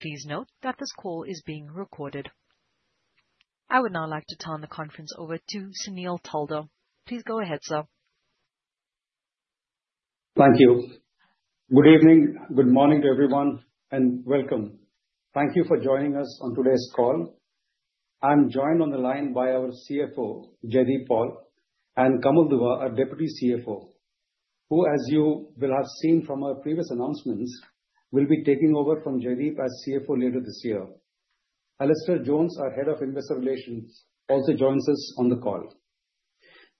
Please note that this call is being recorded. I would now like to turn the conference over to Sunil Taldar. Please go ahead, sir. Thank you. Good evening, good morning to everyone, and welcome. Thank you for joining us on today's call. I'm joined on the line by our CFO, Jaideep Paul, and Kamal Dua, our Deputy CFO, who, as you will have seen from our previous announcements, will be taking over from Jaideep as CFO later this year. Alastair Jones, our Head of Investor Relations, also joins us on the call.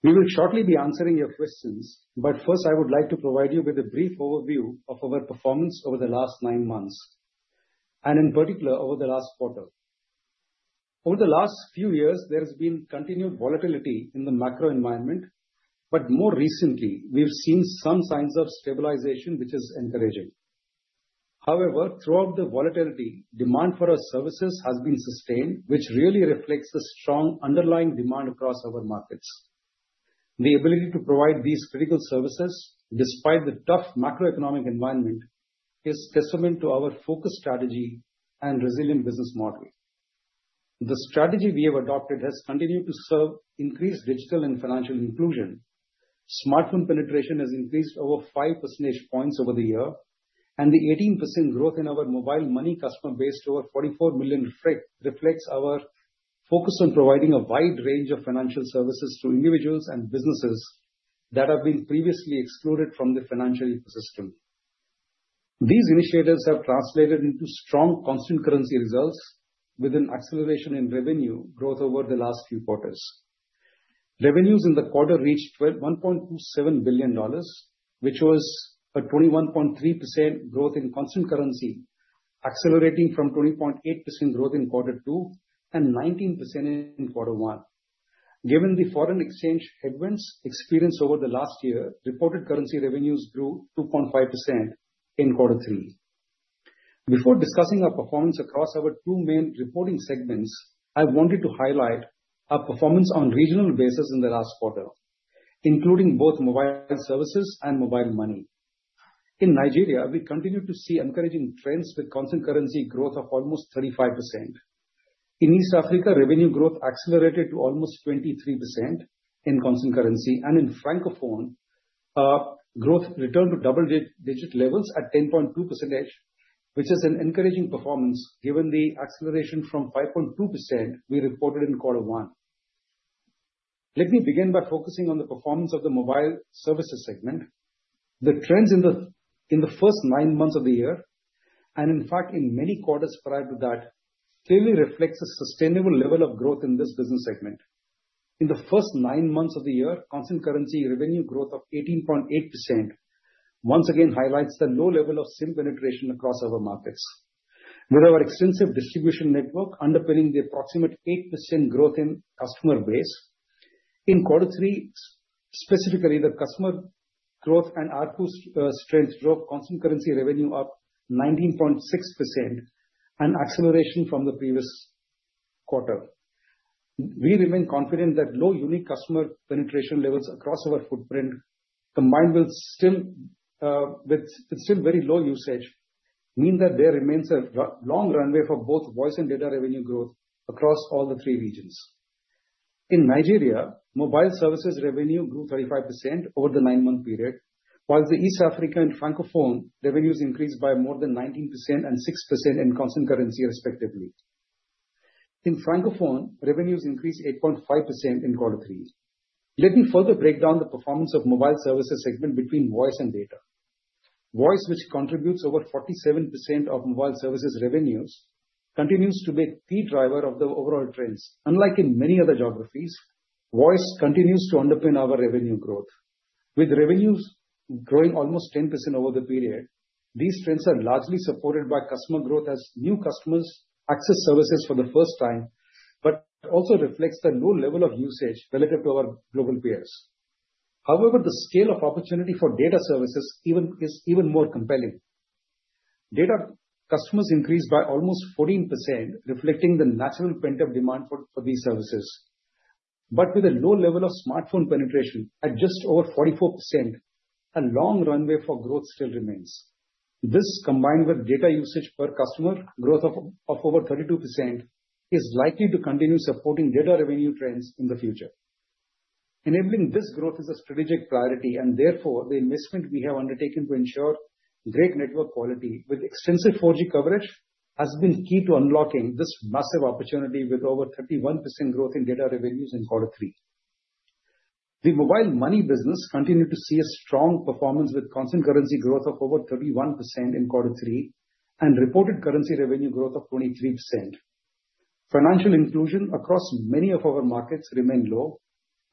We will shortly be answering your questions, but first, I would like to provide you with a brief overview of our performance over the last nine months, and in particular, over the last quarter. Over the last few years, there has been continued volatility in the macro environment, but more recently, we've seen some signs of stabilization, which is encouraging. However, throughout the volatility, demand for our services has been sustained, which really reflects the strong underlying demand across our markets. The ability to provide these critical services, despite the tough macroeconomic environment, is a testament to our focused strategy and resilient business model. The strategy we have adopted has continued to serve increased digital and financial inclusion. Smartphone penetration has increased over five percentage points over the year, and the 18% growth in our mobile money customer base to over 44 million reflects our focus on providing a wide range of financial services to individuals and businesses that have been previously excluded from the financial ecosystem. These initiatives have translated into strong constant currency results with an acceleration in revenue growth over the last few quarters. Revenues in the quarter reached $1.27 billion, which was a 21.3% growth in constant currency, accelerating from 20.8% growth in quarter two and 19% in quarter one. Given the foreign exchange headwinds experienced over the last year, reported currency revenues grew 2.5% in quarter three. Before discussing our performance across our two main reporting segments, I wanted to highlight our performance on a regional basis in the last quarter, including both mobile services and mobile money. In Nigeria, we continue to see encouraging trends with constant currency growth of almost 35%. In East Africa, revenue growth accelerated to almost 23% in constant currency, and in Francophone, growth returned to double-digit levels at 10.2%, which is an encouraging performance given the acceleration from 5.2% we reported in quarter one. Let me begin by focusing on the performance of the mobile services segment. The trends in the first nine months of the year, and in fact, in many quarters prior to that, clearly reflect a sustainable level of growth in this business segment. In the first nine months of the year, constant currency revenue growth of 18.8% once again highlights the low level of SIM penetration across our markets, with our extensive distribution network underpinning the approximate 8% growth in customer base. In quarter three, specifically, the customer growth and ARPU strength drove constant currency revenue up 19.6%, an acceleration from the previous quarter. We remain confident that low unique customer penetration levels across our footprint, combined with still very low usage, mean that there remains a long runway for both voice and data revenue growth across all the three regions. In Nigeria, mobile services revenue grew 35% over the nine-month period, while the East Africa and Francophone revenues increased by more than 19% and 6% in constant currency, respectively. In Francophone, revenues increased 8.5% in quarter three. Let me further break down the performance of the mobile services segment between voice and data. Voice, which contributes over 47% of mobile services revenues, continues to be a key driver of the overall trends. Unlike in many other geographies, voice continues to underpin our revenue growth. With revenues growing almost 10% over the period, these trends are largely supported by customer growth as new customers access services for the first time, but also reflects the low level of usage relative to our global peers. However, the scale of opportunity for data services is even more compelling. Data customers increased by almost 14%, reflecting the natural pent-up demand for these services. But with a low level of smartphone penetration at just over 44%, a long runway for growth still remains. This, combined with data usage per customer growth of over 32%, is likely to continue supporting data revenue trends in the future. Enabling this growth is a strategic priority, and therefore, the investment we have undertaken to ensure great network quality with extensive 4G coverage has been key to unlocking this massive opportunity with over 31% growth in data revenues in quarter three. The mobile money business continued to see a strong performance with constant currency growth of over 31% in quarter three and reported currency revenue growth of 23%. Financial inclusion across many of our markets remained low,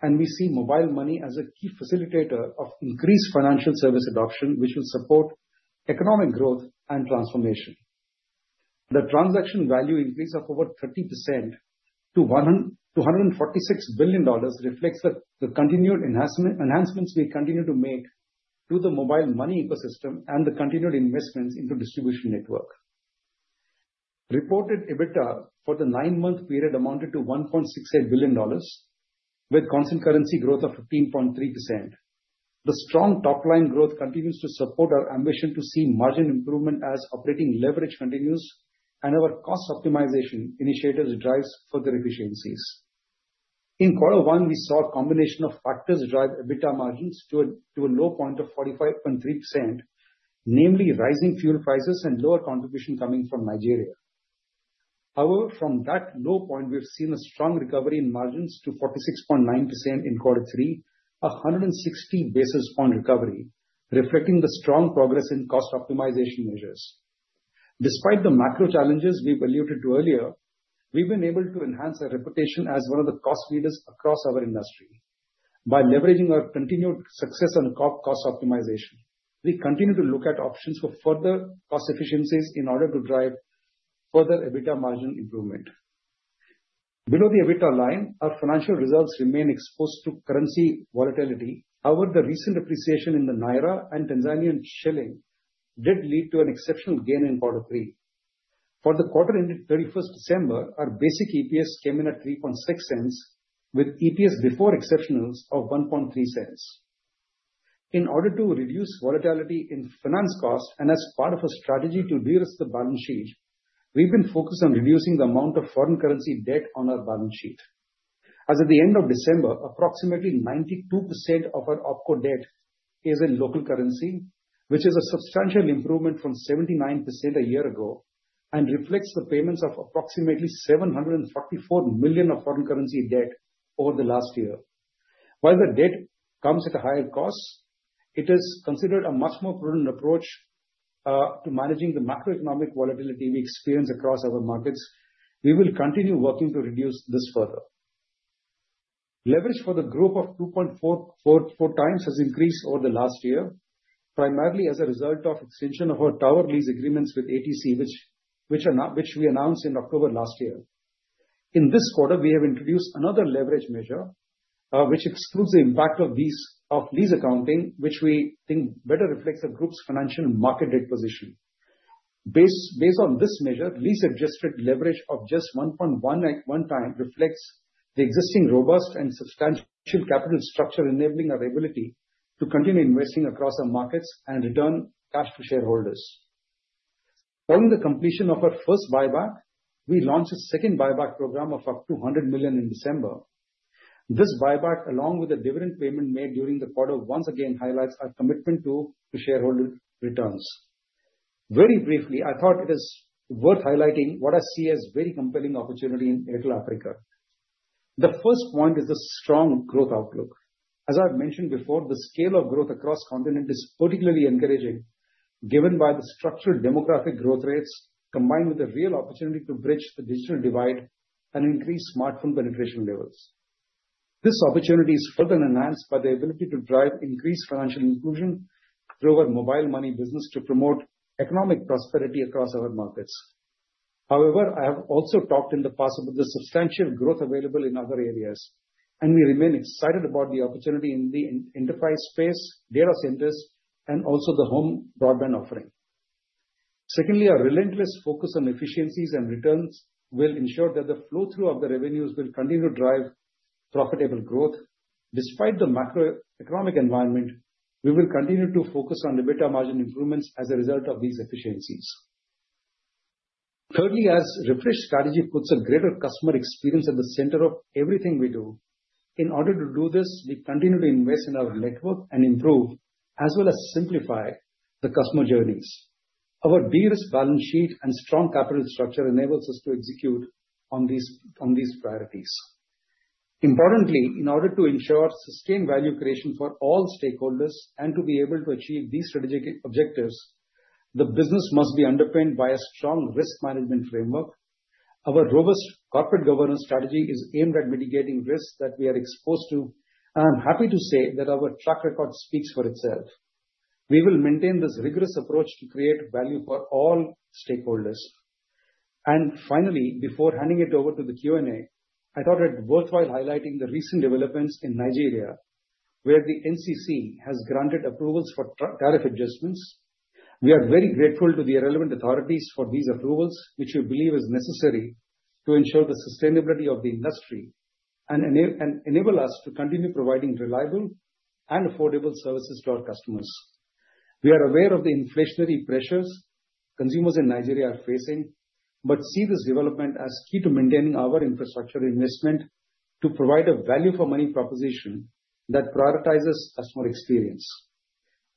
and we see mobile money as a key facilitator of increased financial service adoption, which will support economic growth and transformation. The transaction value increase of over 30% to $146 billion reflects the continued enhancements we continue to make to the mobile money ecosystem and the continued investments into the distribution network. Reported EBITDA for the nine-month period amounted to $1.68 billion, with constant currency growth of 15.3%. The strong top-line growth continues to support our ambition to see margin improvement as operating leverage continues and our cost optimization initiatives drive further efficiencies. In quarter one, we saw a combination of factors drive EBITDA margins to a low point of 45.3%, namely rising fuel prices and lower contribution coming from Nigeria. However, from that low point, we've seen a strong recovery in margins to 46.9% in quarter three, a 160 basis point recovery, reflecting the strong progress in cost optimization measures. Despite the macro challenges we alluded to earlier, we've been able to enhance our reputation as one of the cost leaders across our industry. By leveraging our continued success on cost optimization, we continue to look at options for further cost efficiencies in order to drive further EBITDA margin improvement. Below the EBITDA line, our financial results remain exposed to currency volatility. However, the recent appreciation in the naira and Tanzanian shilling did lead to an exceptional gain in quarter three. For the quarter ended 31st December, our basic EPS came in at $0.036, with EPS before exceptionals of $0.013. In order to reduce volatility in finance costs and as part of a strategy to de-risk the balance sheet, we've been focused on reducing the amount of foreign currency debt on our balance sheet. As of the end of December, approximately 92% of our OpCo debt is in local currency, which is a substantial improvement from 79% a year ago and reflects the payments of approximately $744 million of foreign currency debt over the last year. While the debt comes at a higher cost, it is considered a much more prudent approach to managing the macroeconomic volatility we experience across our markets. We will continue working to reduce this further. Leverage for the group of 2.44 times has increased over the last year, primarily as a result of extension of our tower lease agreements with ATC, which we announced in October last year. In this quarter, we have introduced another leverage measure, which excludes the impact of lease accounting, which we think better reflects the group's financial market position. Based on this measure, lease-adjusted leverage of just 1.1 time reflects the existing robust and substantial capital structure, enabling our ability to continue investing across our markets and return cash to shareholders. Following the completion of our first buyback, we launched a second buyback program of up to $100 million in December. This buyback, along with the dividend payment made during the quarter, once again highlights our commitment to shareholder returns. Very briefly, I thought it is worth highlighting what I see as a very compelling opportunity in Airtel Africa. The first point is the strong growth outlook. As I've mentioned before, the scale of growth across the continent is particularly encouraging, given by the structured demographic growth rates combined with the real opportunity to bridge the digital divide and increase smartphone penetration levels. This opportunity is further enhanced by the ability to drive increased financial inclusion through our mobile money business to promote economic prosperity across our markets. However, I have also talked in the past about the substantial growth available in other areas, and we remain excited about the opportunity in the enterprise space, data centers, and also the home broadband offering. Secondly, our relentless focus on efficiencies and returns will ensure that the flow-through of the revenues will continue to drive profitable growth. Despite the macroeconomic environment, we will continue to focus on EBITDA margin improvements as a result of these efficiencies. Thirdly, as Refresh Strategy puts a greater customer experience at the center of everything we do, in order to do this, we continue to invest in our network and improve, as well as simplify the customer journeys. Our de-risked balance sheet and strong capital structure enables us to execute on these priorities. Importantly, in order to ensure sustained value creation for all stakeholders and to be able to achieve these strategic objectives, the business must be underpinned by a strong risk management framework. Our robust corporate governance strategy is aimed at mitigating risks that we are exposed to, and I'm happy to say that our track record speaks for itself. We will maintain this rigorous approach to create value for all stakeholders. And finally, before handing it over to the Q&A, I thought it worthwhile highlighting the recent developments in Nigeria, where the NCC has granted approvals for tariff adjustments. We are very grateful to the relevant authorities for these approvals, which we believe are necessary to ensure the sustainability of the industry and enable us to continue providing reliable and affordable services to our customers. We are aware of the inflationary pressures consumers in Nigeria are facing, but see this development as key to maintaining our infrastructure investment to provide a value-for-money proposition that prioritizes customer experience,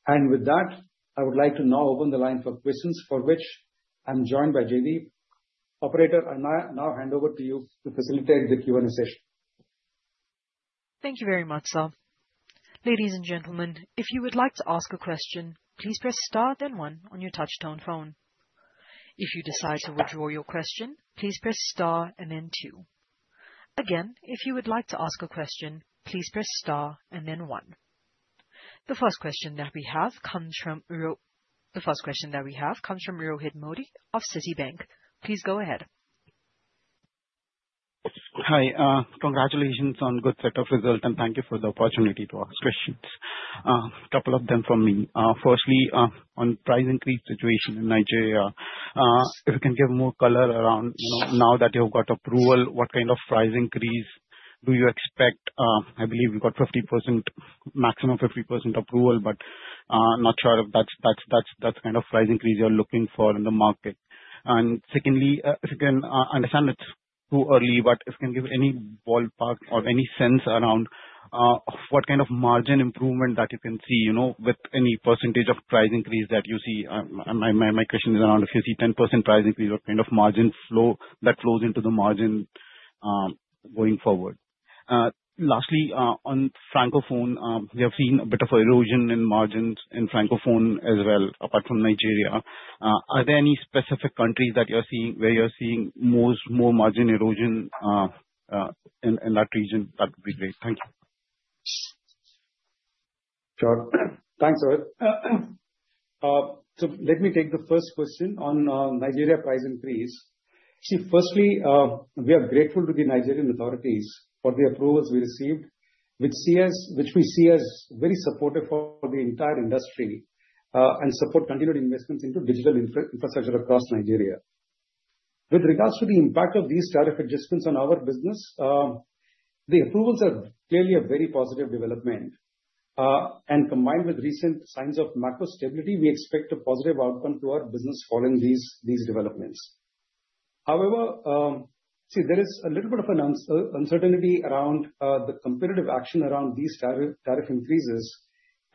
and with that, I would like to now open the line for questions, for which I'm joined by Jaideep. Operator, I now hand over to you to facilitate the Q&A session. Thank you very much, Sunil. Ladies and gentlemen, if you would like to ask a question, please press star then one on your touch-tone phone. If you decide to withdraw your question, please press star and then two. Again, if you would like to ask a question, please press star and then one. The first question that we have comes from Rohit Modi of Citibank. Please go ahead. Hi. Congratulations on a good set of results, and thank you for the opportunity to ask questions. A couple of them from me. Firstly, on the price increase situation in Nigeria, if you can give more color around now that you've got approval, what kind of price increase do you expect? I believe you've got 50% maximum 50% approval, but not sure if that's the kind of price increase you're looking for in the market. And secondly, if you can understand it too early, but if you can give any ballpark or any sense around what kind of margin improvement that you can see with any percentage of price increase that you see. My question is around if you see 10% price increase, what kind of margin flow that flows into the margin going forward? Lastly, on Francophone, we have seen a bit of erosion in margins in Francophone as well, apart from Nigeria. Are there any specific countries where you're seeing more margin erosion in that region? That would be great. Thank you. Sure. Thanks, Rohit. So let me take the first question on Nigeria price increase. See, firstly, we are grateful to the Nigerian authorities for the approvals we received, which we see as very supportive for the entire industry and support continued investments into digital infrastructure across Nigeria. With regards to the impact of these tariff adjustments on our business, the approvals are clearly a very positive development. And combined with recent signs of macro stability, we expect a positive outcome to our business following these developments. However, see, there is a little bit of uncertainty around the competitive action around these tariff increases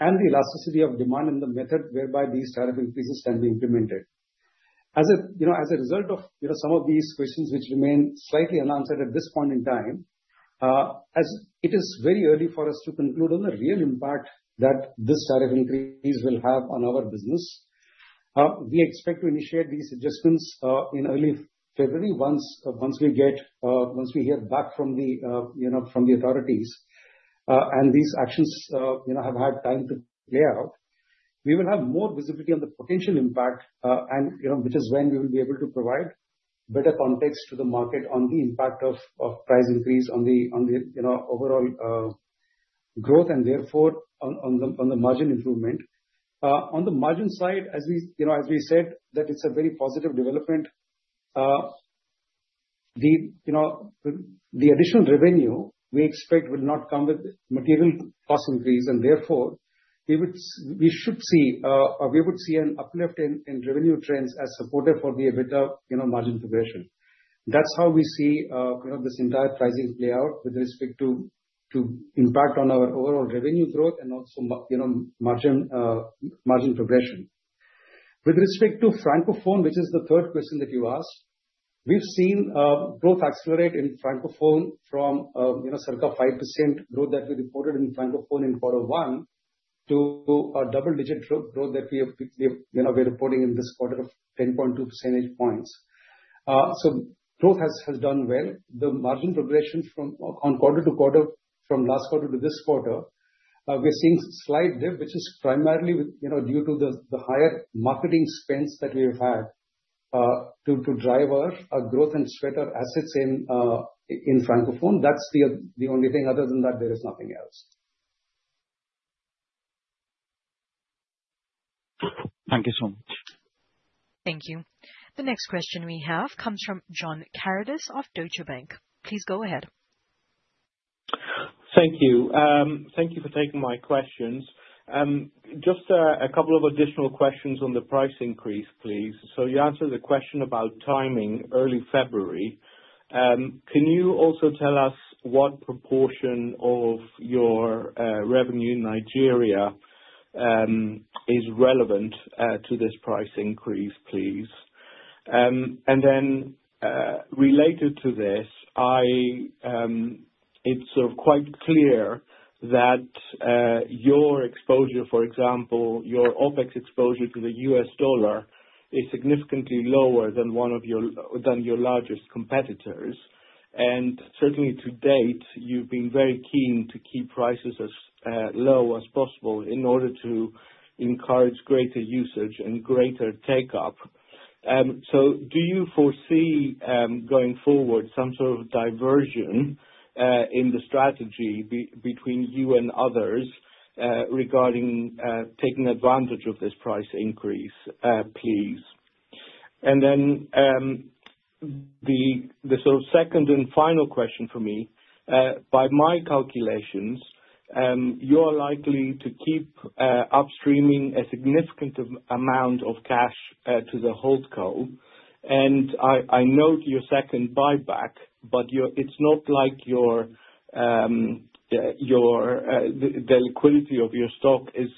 and the elasticity of demand and the method whereby these tariff increases can be implemented. As a result of some of these questions, which remain slightly unanswered at this point in time, as it is very early for us to conclude on the real impact that this tariff increase will have on our business, we expect to initiate these adjustments in early February once we hear back from the authorities, and these actions have had time to play out. We will have more visibility on the potential impact, which is when we will be able to provide better context to the market on the impact of price increase on the overall growth and therefore on the margin improvement. On the margin side, as we said, that it's a very positive development. The additional revenue we expect will not come with material cost increase, and therefore, we should see an uplift in revenue trends as supportive for the EBITDA margin progression. That's how we see this entire pricing play out with respect to impact on our overall revenue growth and also margin progression. With respect to Francophone, which is the third question that you asked, we've seen growth accelerate in Francophone from circa 5% growth that we reported in Francophone in quarter one to a double-digit growth that we are reporting in this quarter of 10.2 percentage points. So growth has done well. The margin progression from quarter to quarter, from last quarter to this quarter, we're seeing slight dip, which is primarily due to the higher marketing spends that we have had to drive our growth and spread our assets in Francophone. That's the only thing. Other than that, there is nothing else. Thank you so much. Thank you. The next question we have comes from John Karidis of Deutsche Bank. Please go ahead. Thank you. Thank you for taking my questions. Just a couple of additional questions on the price increase, please. So you answered the question about timing, early February. Can you also tell us what proportion of your revenue in Nigeria is relevant to this price increase, please? And then related to this, it's quite clear that your exposure, for example, your OpEx exposure to the U.S. dollar is significantly lower than one of your largest competitors. And certainly, to date, you've been very keen to keep prices as low as possible in order to encourage greater usage and greater take-up. So do you foresee going forward some sort of diversion in the strategy between you and others regarding taking advantage of this price increase, please? And then the second and final question for me. By my calculations, you're likely to keep upstreaming a significant amount of cash to the HoldCo. I note your second buyback, but it's not like the liquidity of your stock is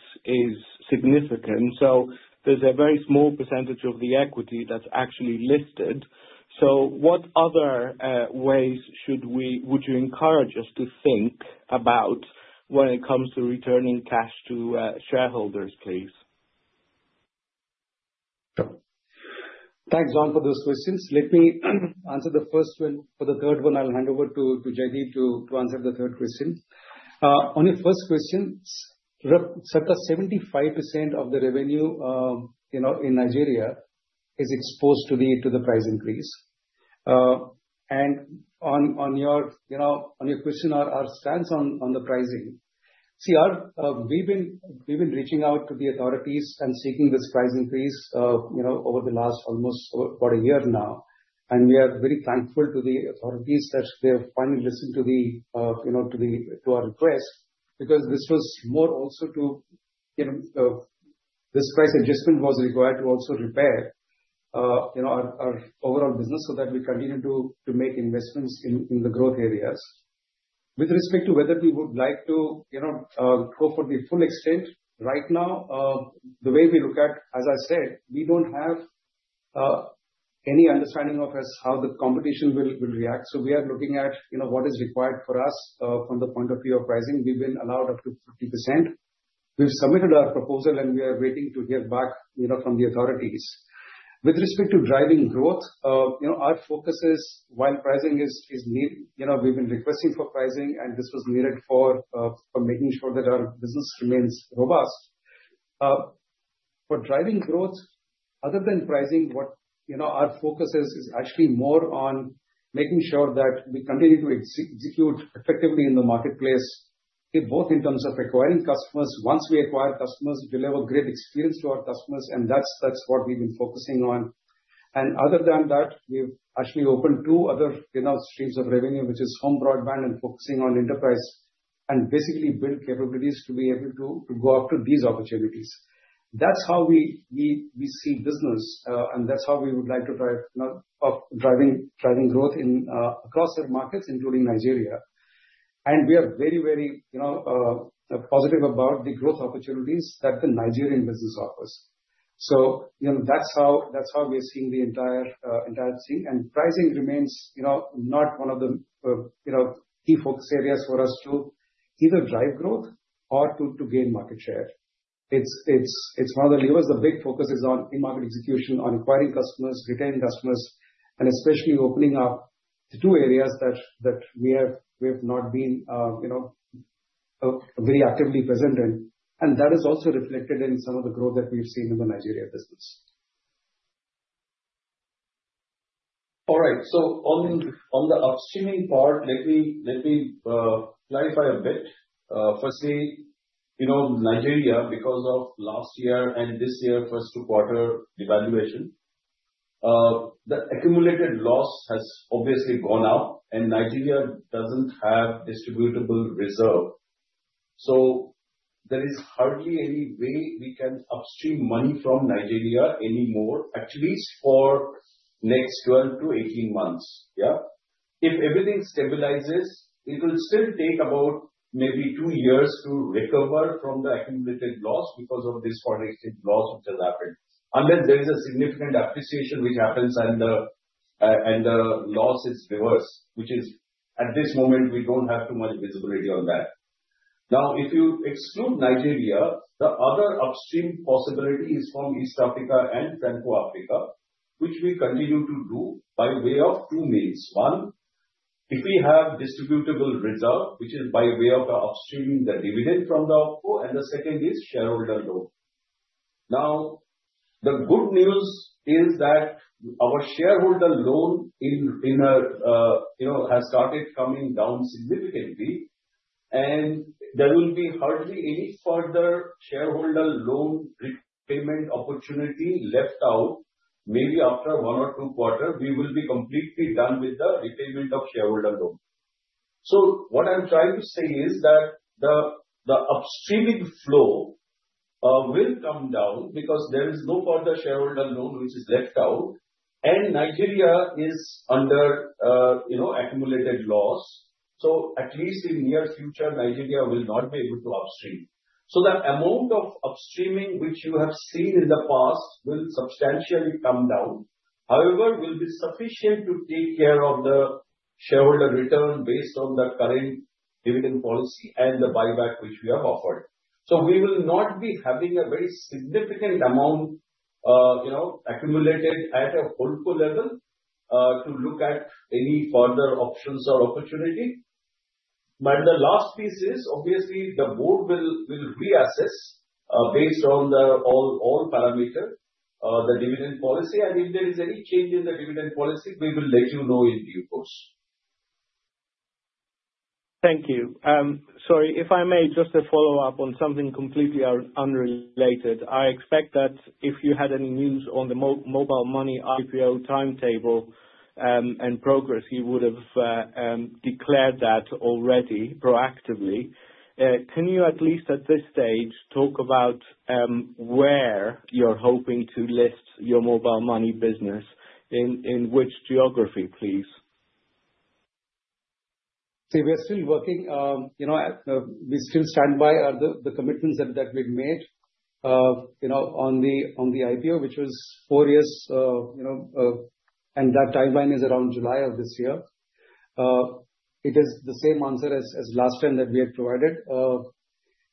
significant. So there's a very small percentage of the equity that's actually listed. So what other ways would you encourage us to think about when it comes to returning cash to shareholders, please? Thanks, John, for those questions. Let me answer the first one. For the third one, I'll hand over to Jaideep to answer the third question. On your first question, circa 75% of the revenue in Nigeria is exposed to the price increase. And on your question, our stance on the pricing, see, we've been reaching out to the authorities and seeking this price increase over the last almost about a year now. We are very thankful to the authorities that they have finally listened to our request because this was more also to this price adjustment was required to also repair our overall business so that we continue to make investments in the growth areas. With respect to whether we would like to go for the full extent, right now, the way we look at, as I said, we don't have any understanding of how the competition will react. We are looking at what is required for us from the point of view of pricing. We've been allowed up to 50%. We've submitted our proposal, and we are waiting to hear back from the authorities. With respect to driving growth, our focus is while pricing is needed, we've been requesting for pricing, and this was needed for making sure that our business remains robust. For driving growth, other than pricing, our focus is actually more on making sure that we continue to execute effectively in the marketplace, both in terms of acquiring customers. Once we acquire customers, we deliver great experience to our customers, and that's what we've been focusing on, and other than that, we've actually opened two other streams of revenue, which is home broadband and focusing on enterprise and basically build capabilities to be able to go after these opportunities. That's how we see business, and that's how we would like to drive growth across our markets, including Nigeria, and we are very, very positive about the growth opportunities that the Nigerian business offers, so that's how we're seeing the entire thing, and pricing remains not one of the key focus areas for us to either drive growth or to gain market share. It's one of the levers the big focus is on in-market execution, on acquiring customers, retaining customers, and especially opening up the two areas that we have not been very actively present in. And that is also reflected in some of the growth that we've seen in the Nigeria business. All right. So on the upstreaming part, let me clarify a bit. Firstly, Nigeria, because of last year and this year's first two-quarter devaluation, the accumulated loss has obviously gone up, and Nigeria doesn't have distributable reserve. So there is hardly any way we can upstream money from Nigeria anymore, at least for the next 12-18 months. Yeah? If everything stabilizes, it will still take about maybe two years to recover from the accumulated loss because of this foreign exchange loss which has happened. Unless there is a significant appreciation which happens and the loss is reversed, which is at this moment, we don't have too much visibility on that. Now, if you exclude Nigeria, the other upstream possibility is from East Africa and Central Africa, which we continue to do by way of two means. One, if we have distributable reserve, which is by way of upstreaming the dividend from the OpCo, and the second is shareholder loan. Now, the good news is that our shareholder loan has started coming down significantly, and there will be hardly any further shareholder loan repayment opportunity left out. Maybe after one or two quarters, we will be completely done with the repayment of shareholder loan. So what I'm trying to say is that the upstreaming flow will come down because there is no further shareholder loan which is left out, and Nigeria is under accumulated loss. So at least in the near future, Nigeria will not be able to upstream. So the amount of upstreaming which you have seen in the past will substantially come down. However, it will be sufficient to take care of the shareholder return based on the current dividend policy and the buyback which we have offered. So we will not be having a very significant amount accumulated at an OpCo level to look at any further options or opportunity. But the last piece is, obviously, the board will reassess based on all parameters, the dividend policy. And if there is any change in the dividend policy, we will let you know in due course. Thank you. Sorry, if I may just follow up on something completely unrelated. I expect that if you had any news on the mobile money IPO timetable and progress, you would have declared that already proactively. Can you at least at this stage talk about where you're hoping to list your mobile money business, in which geography, please? See, we are still working. We still stand by the commitments that we've made on the IPO, which was four years, and that timeline is around July of this year. It is the same answer as last time that we had provided.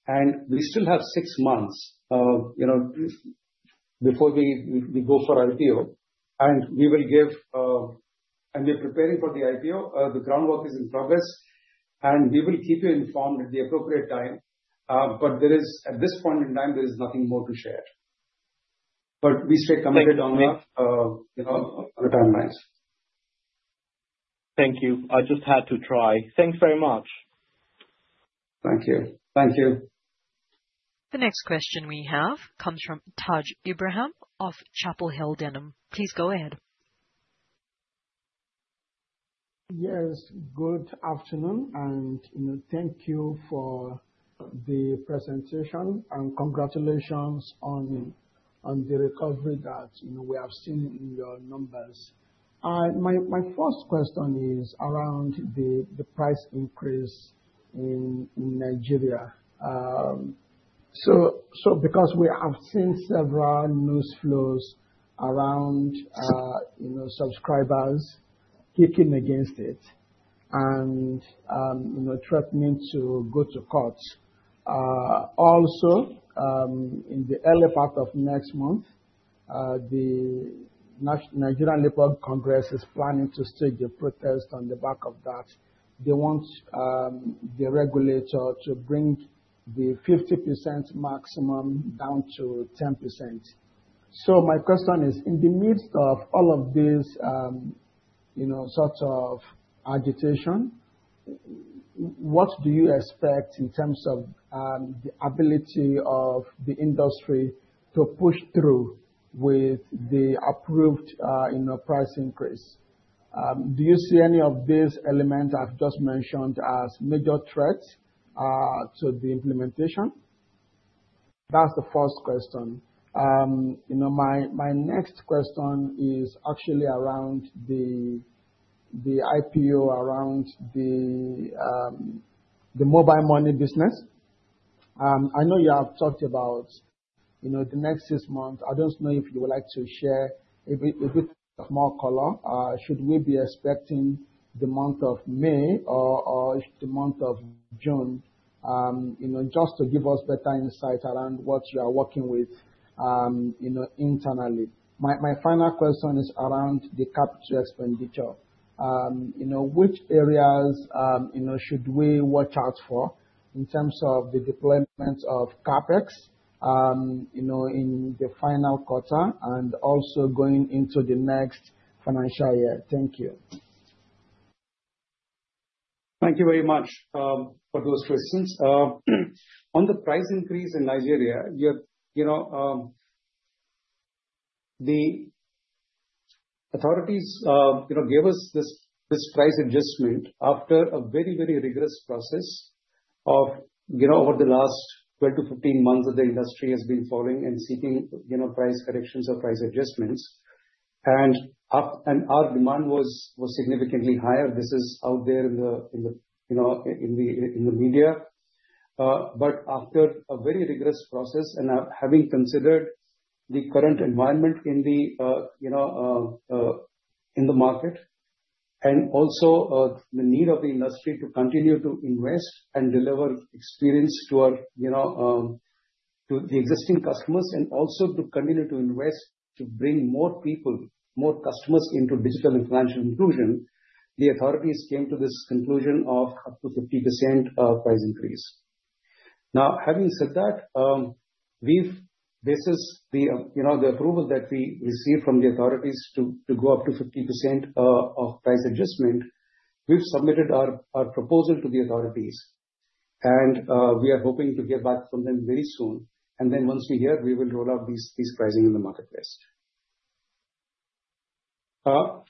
And we still have six months before we go for IPO. And we will give and we're preparing for the IPO. The groundwork is in progress, and we will keep you informed at the appropriate time. But at this point in time, there is nothing more to share. But we stay committed on the timelines. Thank you. I just had to try. Thanks very much. Thank you. Thank you. The next question we have comes from Taj Ibrahim of Chapel Hill Denham. Please go ahead. Yes. Good afternoon, and thank you for the presentation. Congratulations on the recovery that we have seen in your numbers. My first question is around the price increase in Nigeria. Because we have seen several news flows around subscribers kicking against it and threatening to go to court. Also, in the early part of next month, the Nigeria Labour Congress is planning to stage a protest on the back of that. They want the regulator to bring the 50% maximum down to 10%. My question is, in the midst of all of this sort of agitation, what do you expect in terms of the ability of the industry to push through with the approved price increase? Do you see any of these elements I've just mentioned as major threats to the implementation? That's the first question. My next question is actually around the IPO, around the mobile money business. I know you have talked about the next six months. I don't know if you would like to share a bit more color. Should we be expecting the month of May or the month of June just to give us better insight around what you are working with internally? My final question is around the capital expenditure. Which areas should we watch out for in terms of the deployment of CapEx in the final quarter and also going into the next financial year? Thank you. Thank you very much for those questions. On the price increase in Nigeria, the authorities gave us this price adjustment after a very, very rigorous process of over the last 12 to 15 months that the industry has been following and seeking price corrections or price adjustments. Our demand was significantly higher. This is out there in the media. After a very rigorous process and having considered the current environment in the market and also the need of the industry to continue to invest and deliver experience to the existing customers and also to continue to invest to bring more people, more customers into digital and financial inclusion, the authorities came to this conclusion of up to 50% price increase. Now, having said that, we've basically the approval that we received from the authorities to go up to 50% of price adjustment, we've submitted our proposal to the authorities. We are hoping to hear back from them very soon. Then once we hear, we will roll out these pricing in the marketplace. Now,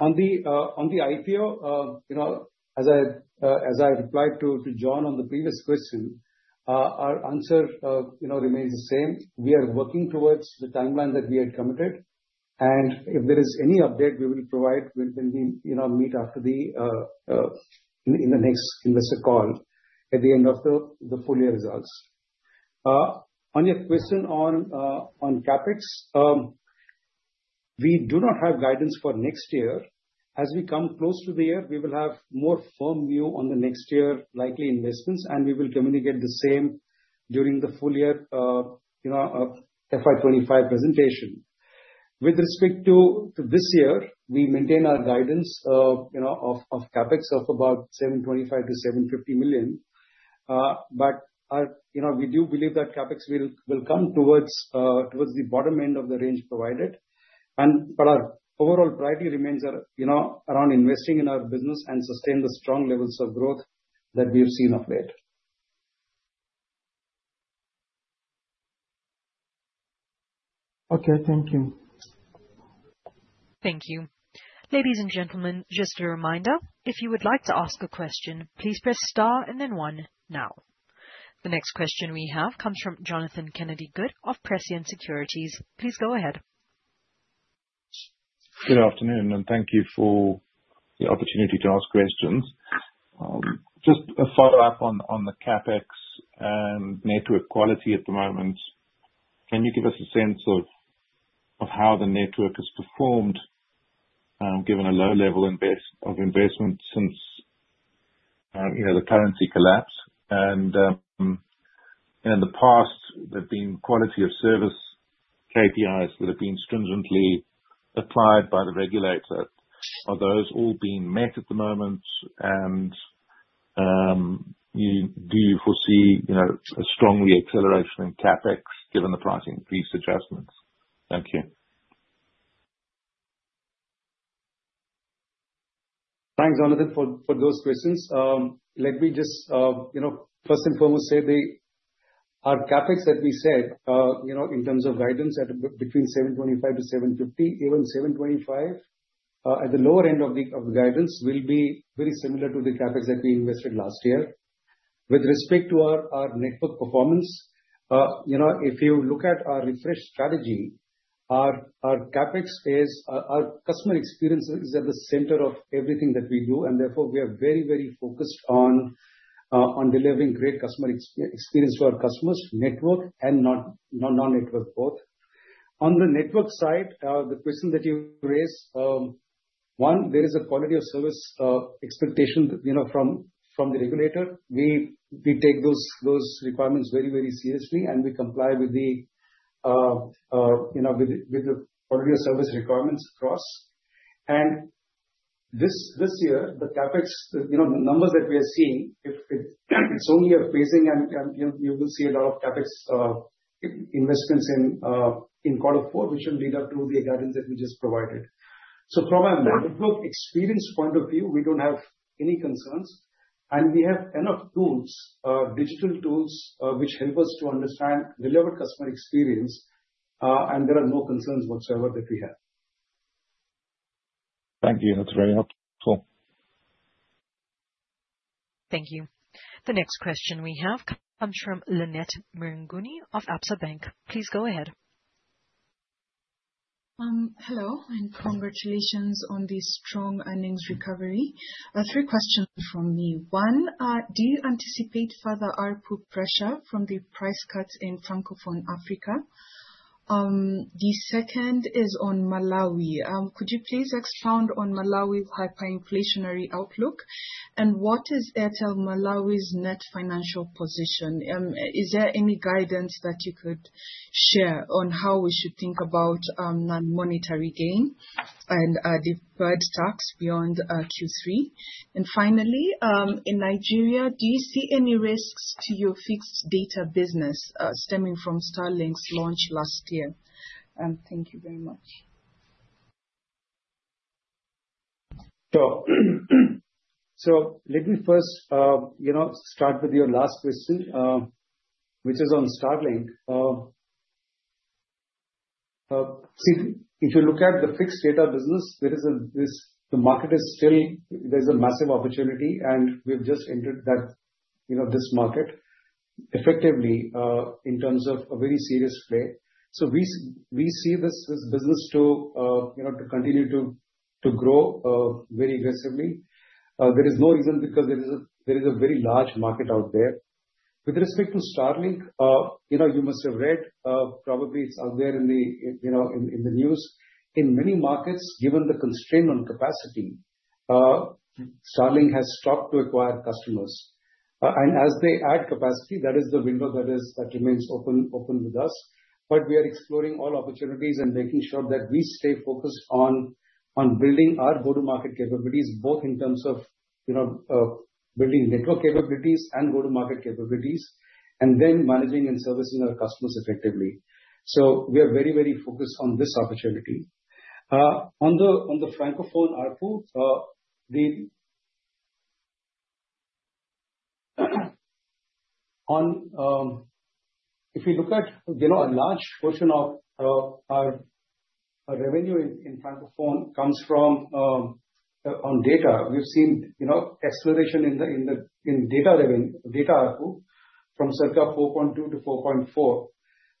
on the IPO, as I replied to John on the previous question, our answer remains the same. We are working towards the timeline that we had committed, and if there is any update, we will provide. We'll then meet after that, in the next investor call at the end of the full year results. On your question on CapEx, we do not have guidance for next year. As we come close to the year, we will have more firm view on the next year likely investments, and we will communicate the same during the full year FY25 presentation. With respect to this year, we maintain our guidance of CapEx of about $725 million-$750 million, but we do believe that CapEx will come towards the bottom end of the range provided, but our overall priority remains around investing in our business and sustain the strong levels of growth that we have seen of late. Okay. Thank you. Thank you. Ladies and gentlemen, just a reminder, if you would like to ask a question, please press star and then one now. The next question we have comes from Jonathan Kennedy-Good of Prescient Securities. Please go ahead. Good afternoon, and thank you for the opportunity to ask questions. Just a follow-up on the CapEx and network quality at the moment. Can you give us a sense of how the network has performed given a low level of investment since the currency collapse? And in the past, there have been quality of service KPIs that have been stringently applied by the regulator. Are those all being met at the moment? And do you foresee a strong reacceleration in CapEx given the price increase adjustments? Thank you. Thanks, Jonathan, for those questions. Let me just first and foremost say our CapEx that we said in terms of guidance at between $725-$750, even $725 at the lower end of the guidance will be very similar to the CapEx that we invested last year. With respect to our network performance, if you look at our refresh strategy, our CapEx is our customer experience is at the center of everything that we do. Therefore, we are very, very focused on delivering great customer experience to our customers, network and non-network both. On the network side, the question that you raised, one, there is a quality of service expectation from the regulator. We take those requirements very, very seriously, and we comply with the quality of service requirements across. This year, the CapEx, the numbers that we are seeing, it's only a phasing, and you will see a lot of CapEx investments in quarter four, which will lead up to the guidance that we just provided. From a network experience point of view, we don't have any concerns. We have enough tools, digital tools, which help us to understand delivered customer experience. There are no concerns whatsoever that we have. Thank you. That's very helpful. Thank you. The next question we have comes from Lunetha Marongwe of Absa Bank. Please go ahead. Hello, and congratulations on the strong earnings recovery. Three questions from me. One, do you anticipate further output pressure from the price cuts in Francophone Africa? The second is on Malawi. Could you please expound on Malawi's hyperinflationary outlook? And what is Airtel Malawi's net financial position? Is there any guidance that you could share on how we should think about non-monetary gain and deferred tax beyond Q3? And finally, in Nigeria, do you see any risks to your fixed data business stemming from Starlink's launch last year? And thank you very much. Sure. So let me first start with your last question, which is on Starlink. See, if you look at the fixed data business, the market is still there. There's a massive opportunity, and we've just entered this market effectively in terms of a very serious play. So we see this business to continue to grow very aggressively. There is no reason because there is a very large market out there. With respect to Starlink, you must have read, probably it's out there in the news. In many markets, given the constraint on capacity, Starlink has stopped to acquire customers. As they add capacity, that is the window that remains open with us. We are exploring all opportunities and making sure that we stay focused on building our go-to-market capabilities, both in terms of building network capabilities and go-to-market capabilities, and then managing and servicing our customers effectively. We are very, very focused on this opportunity. On the Francophone output, if you look at a large portion of our revenue in Francophone comes from data. We've seen acceleration in data output from circa 4.2 to 4.4.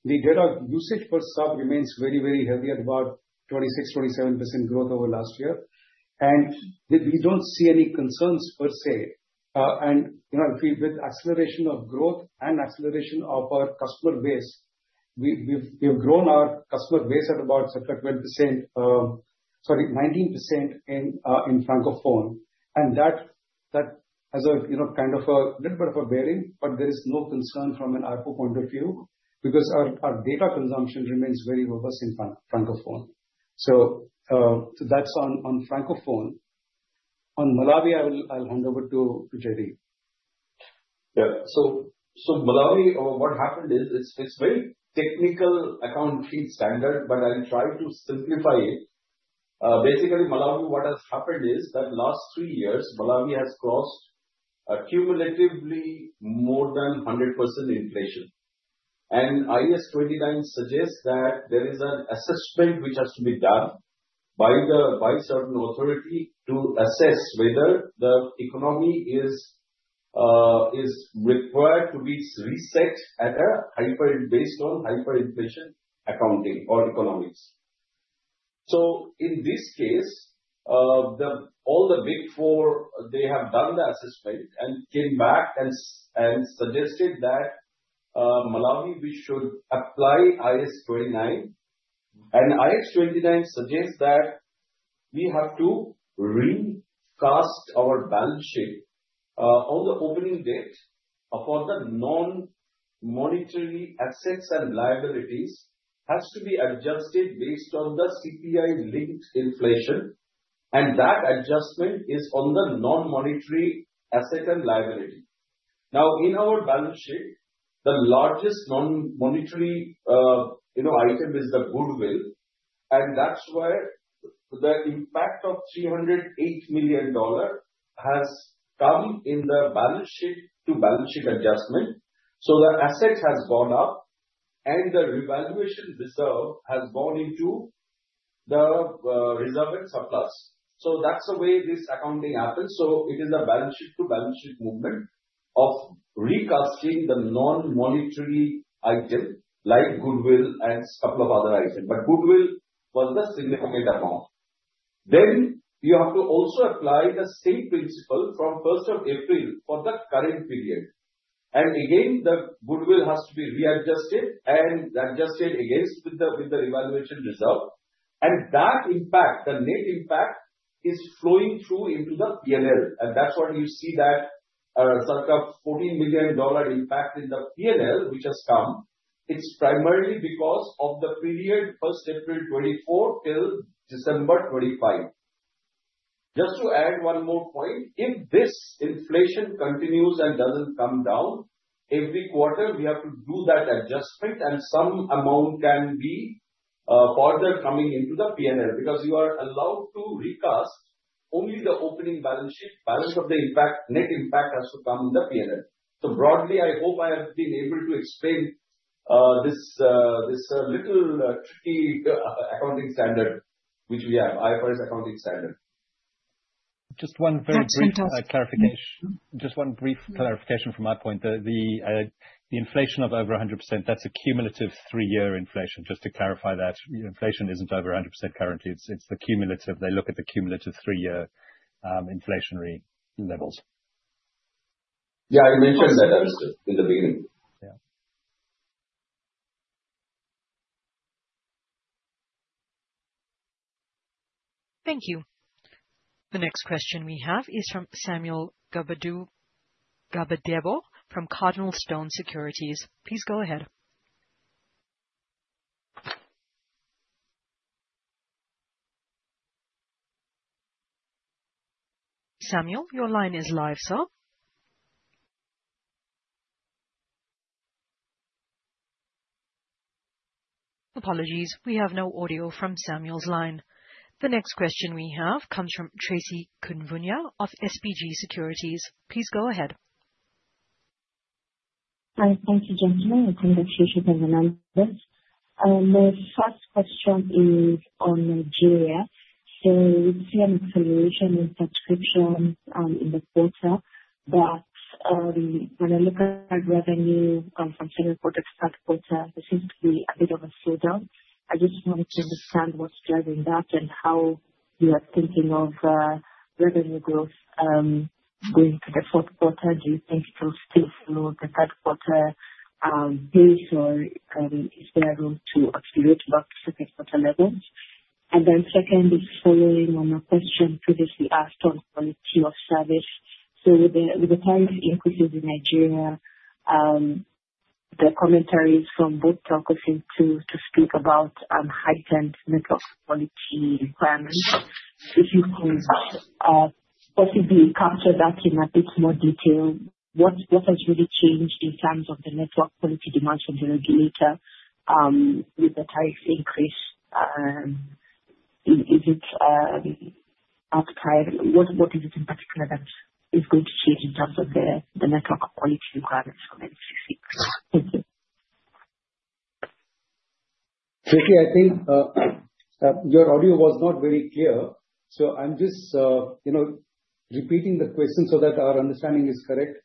The data usage per sub remains very, very heavy at about 26%-27% growth over last year. We don't see any concerns per se. With acceleration of growth and acceleration of our customer base, we've grown our customer base at about circa 12%, sorry, 19% in Francophone. That has kind of a little bit of a bearing, but there is no concern from an output point of view because our data consumption remains very robust in Francophone. So that's on Francophone. On Malawi, I'll hand over to Jaideep. Yeah. So Malawi, what happened is it's very technical accounting standard, but I'll try to simplify it. Basically, Malawi, what has happened is that last three years, Malawi has crossed cumulatively more than 100% inflation. And IAS 29 suggests that there is an assessment which has to be done by certain authority to assess whether the economy is required to be reset based on hyperinflation accounting or economics. So in this case, all the Big Four, they have done the assessment and came back and suggested that Malawi, we should apply IAS 29. IAS 29 suggests that we have to recast our balance sheet on the opening date for the non-monetary assets and liabilities has to be adjusted based on the CPI-linked inflation. That adjustment is on the non-monetary asset and liability. Now, in our balance sheet, the largest non-monetary item is the goodwill. That's where the impact of $308 million has come in the balance sheet to balance sheet adjustment. The asset has gone up, and the revaluation reserve has gone into the reserve and surplus. That's the way this accounting happens. It is a balance sheet to balance sheet movement of recasting the non-monetary item like goodwill and a couple of other items. Goodwill was the significant amount. You have to also apply the same principle from 1st of April for the current period. Again, the goodwill has to be readjusted and adjusted against with the revaluation reserve. And that impact, the net impact is flowing through into the P&L. And that's why you see that circa $14 million impact in the P&L, which has come. It's primarily because of the period 1st April 2024 till December 2025. Just to add one more point, if this inflation continues and doesn't come down, every quarter, we have to do that adjustment, and some amount can be further coming into the P&L because you are allowed to recast only the opening balance sheet. Balance of the impact, net impact has to come in the P&L. So broadly, I hope I have been able to explain this little tricky accounting standard, which we have, IFRS accounting standard. Just one very brief clarification. Just one brief clarification from my point. The inflation of over 100%, that's a cumulative three-year inflation. Just to clarify that, inflation isn't over 100% currently. It's the cumulative. They look at the cumulative three-year inflationary levels. Yeah, you mentioned that at the beginning. Yeah. Thank you. The next question we have is from Samuel Gbadebo from CardinalStone Securities. Please go ahead. Samuel, your line is live, sir. Apologies. We have no audio from Samuel's line. The next question we have comes from Tracy Kivunyu of SBG Securities. Please go ahead. Hi. Thank you, gentlemen. Congratulations on the numbers. My first question is on Nigeria. So we've seen acceleration in subscriptions in the quarter, but when I look at revenue from Nigeria to the third quarter, there seems to be a bit of a slowdown. I just wanted to understand what's driving that and how you are thinking of revenue growth going to the fourth quarter. Do you think it will still follow the third quarter pace, or is there room to accelerate above the second quarter levels? And then second is following on a question previously asked on quality of service. So with the tariff increases in Nigeria, the commentaries from both telcos to speak about heightened network quality requirements. If you could possibly capture that in a bit more detail, what has really changed in terms of the network quality demands from the regulator with the tariff increase? What is it in particular that is going to change in terms of the network quality requirements from NCC? Thank you. Tracy, I think your audio was not very clear. So I'm just repeating the question so that our understanding is correct.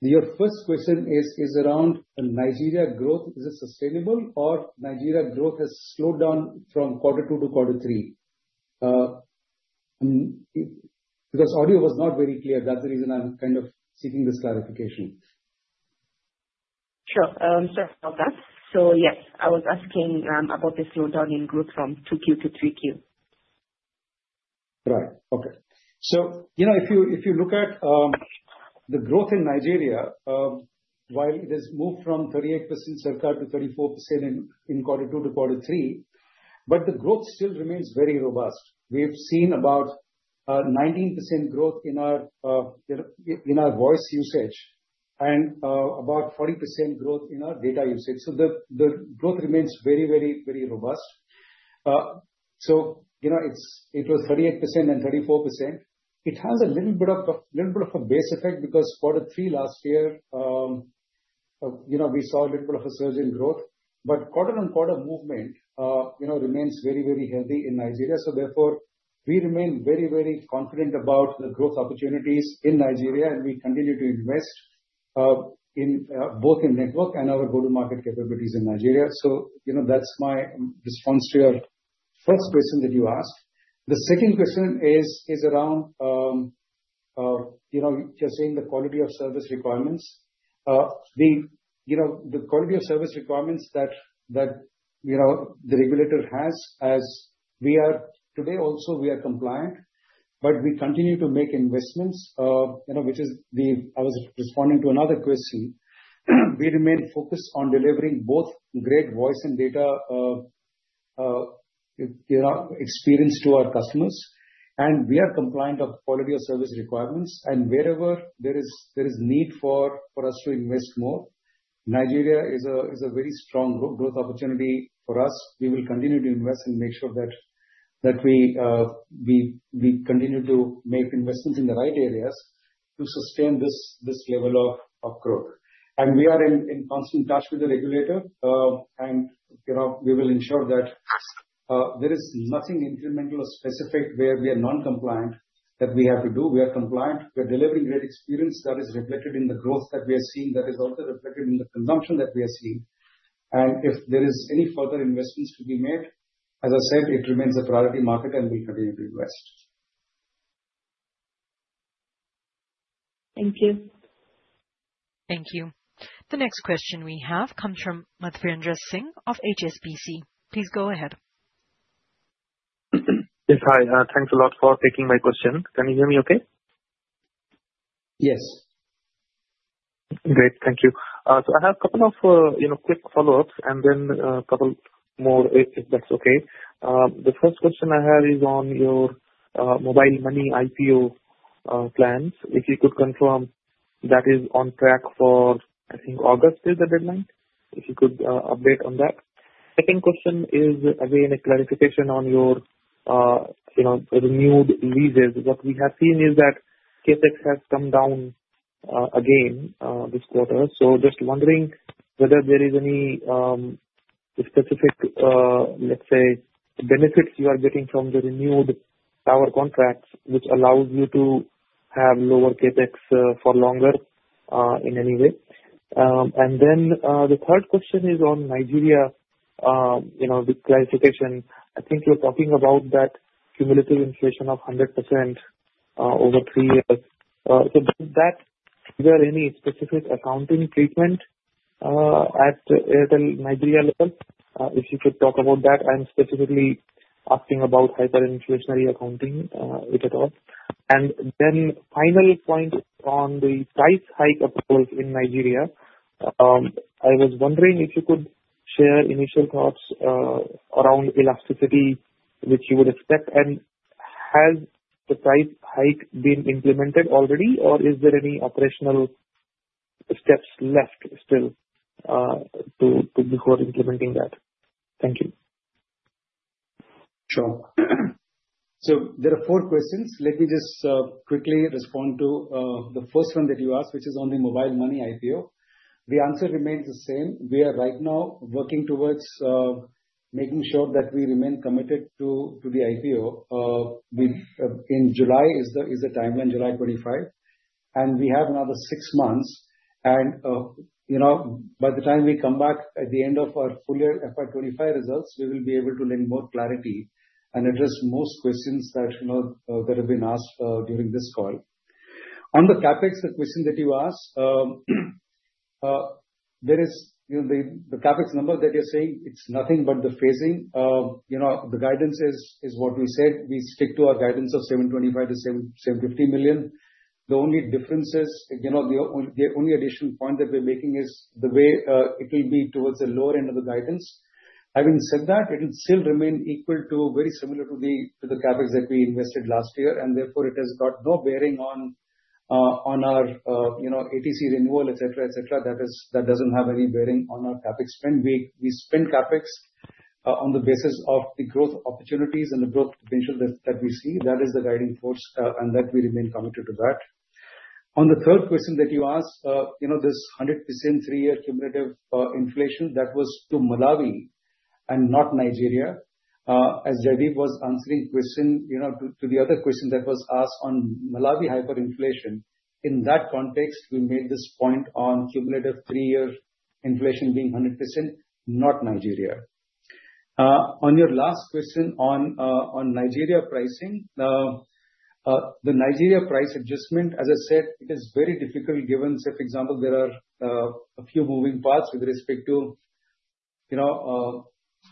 Your first question is around Nigeria growth, is it sustainable, or Nigeria growth has slowed down from quarter two to quarter three? Because audio was not very clear. That's the reason I'm kind of seeking this clarification. Sure. I'm sorry about that. So yes, I was asking about the slowdown in growth from 2Q to 3Q. Right. Okay. So if you look at the growth in Nigeria, while it has moved from 38% circa to 34% in quarter two to quarter three, but the growth still remains very robust. We've seen about 19% growth in our voice usage and about 40% growth in our data usage. So the growth remains very, very, very robust. So it was 38% and 34%. It has a little bit of a base effect because quarter three last year, we saw a little bit of a surge in growth. But quarter-on-quarter movement remains very, very heavy in Nigeria. So therefore, we remain very, very confident about the growth opportunities in Nigeria, and we continue to invest both in network and our go-to-market capabilities in Nigeria. So that's my response to your first question that you asked. The second question is around, you're saying the quality of service requirements. The quality of service requirements that the regulator has, as we are today also, we are compliant, but we continue to make investments, which is I was responding to another question. We remain focused on delivering both great voice and data experience to our customers. And we are compliant of quality of service requirements. And wherever there is need for us to invest more, Nigeria is a very strong growth opportunity for us. We will continue to invest and make sure that we continue to make investments in the right areas to sustain this level of growth. And we are in constant touch with the regulator, and we will ensure that there is nothing incremental or specific where we are non-compliant that we have to do. We are compliant. We are delivering great experience that is reflected in the growth that we are seeing. That is also reflected in the consumption that we are seeing. And if there is any further investments to be made, as I said, it remains a priority market, and we'll continue to invest. Thank you. Thank you. The next question we have comes from Madhvendra Singh of HSBC. Please go ahead. Yes. Hi. Thanks a lot for taking my question. Can you hear me okay? Yes. Great. Thank you. So I have a couple of quick follow-ups and then a couple more if that's okay. The first question I have is on your mobile money IPO plans. If you could confirm that is on track for, I think, August is the deadline. If you could update on that. Second question is, again, a clarification on your renewed leases. What we have seen is that CapEx has come down again this quarter. So just wondering whether there is any specific, let's say, benefits you are getting from the renewed power contracts, which allows you to have lower CapEx for longer in any way. And then the third question is on Nigeria with clarification. I think you're talking about that cumulative inflation of 100% over three years. So is there any specific accounting treatment at the Nigeria level? If you could talk about that. I'm specifically asking about hyperinflationary accounting if at all. And then final point on the price hike of growth in Nigeria. I was wondering if you could share initial thoughts around elasticity, which you would expect? And has the price hike been implemented already, or is there any operational steps left still before implementing that? Thank you. Sure. So there are four questions. Let me just quickly respond to the first one that you asked, which is on the mobile money IPO. The answer remains the same. We are right now working towards making sure that we remain committed to the IPO. In July is the timeline, July 25. And we have another six months. And by the time we come back at the end of our full year FY25 results, we will be able to lend more clarity and address most questions that have been asked during this call. On the CapEx, the question that you asked, there is the CapEx number that you're saying, it's nothing but the phasing. The guidance is what we said. We stick to our guidance of $725 million-$750 million. The only difference is the only additional point that we're making is the way it will be towards the lower end of the guidance. Having said that, it will still remain equal to very similar to the CapEx that we invested last year and therefore, it has got no bearing on our ATC renewal, etc., etc. That doesn't have any bearing on our CapEx spend. We spend CapEx on the basis of the growth opportunities and the growth potential that we see. That is the guiding force, and that we remain committed to that. On the third question that you asked, this 100% three-year cumulative inflation, that was to Malawi and not Nigeria. As Jaideep was answering question to the other question that was asked on Malawi hyperinflation, in that context, we made this point on cumulative three-year inflation being 100%, not Nigeria. On your last question on Nigeria pricing, the Nigeria price adjustment, as I said, it is very difficult given, say, for example, there are a few moving parts with respect to